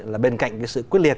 là bên cạnh cái sự quyết liệt